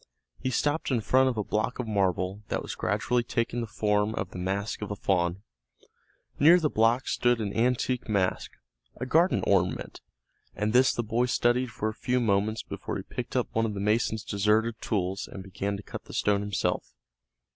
He stopped in front of a block of marble that was gradually taking the form of the mask of a faun. Near the block stood an antique mask, a garden ornament, and this the boy studied for a few moments before he picked up one of the mason's deserted tools and began to cut the stone himself.